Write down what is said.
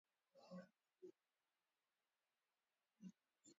Bertoko uharterik handiena Zipre da.